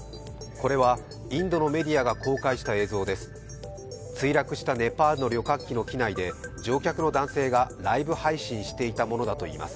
これはインドのメディアが公開した映像です。